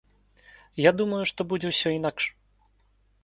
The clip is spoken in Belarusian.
Я думаю, што будзе ўсё інакш.